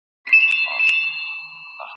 حقوق الله د بنده او خدای ترمنځ دي.